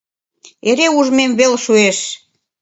Эре ужмем вел шуэш.